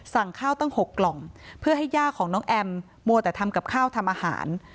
สั่งข้าวตั้ง๖กล่องเพื่อให้ย่าของน้องแอมมัวแต่ทำกับข้าวทำอาหาร